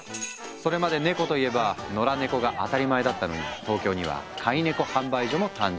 それまでネコといえば野良猫が当たり前だったのに東京には「飼い猫販売所」も誕生。